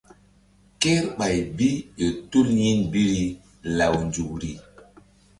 Kerɓay bi ƴo tul yin biri law nzukri.